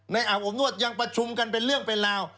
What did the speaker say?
อาบอบนวดยังประชุมกันเป็นเรื่องเป็นราว